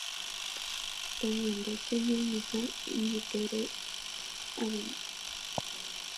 Toñandúke ñaimeha ijyke rehe avei